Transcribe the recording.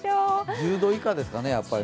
１０度以下ですかね、やっぱり。